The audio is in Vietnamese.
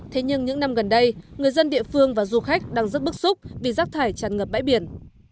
thế nhưng những năm gần đây người dân địa phương và du khách đang rất bức xúc vì rác thải tràn ngập bãi biển